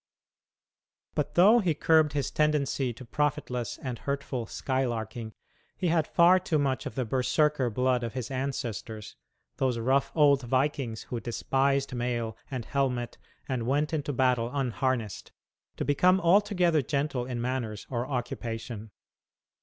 But though he curbed his tendency to profitless and hurtful "skylarking," he had far too much of the Berserker blood of his ancestors those rough old vikings who "despised mail and helmet and went into battle unharnessed" to become altogether gentle in manners or occupation.